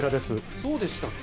そうでしたっけ？